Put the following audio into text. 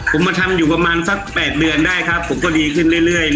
ผมมาทำอยู่ประมาณสัก๘เดือนได้ครับผมก็ดีขึ้นเรื่อย